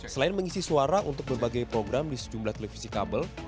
selain mengisi suara untuk berbagai program di sejumlah televisi kabel